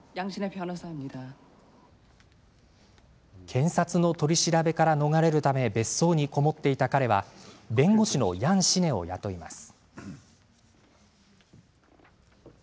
検察の取り調べから逃れるため別荘に籠もっていた彼は弁護士のヤン・シネを雇います。